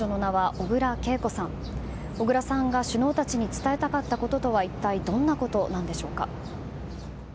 小倉さんが首脳たちに伝えたいこととは一体どんなことなんでしょうか。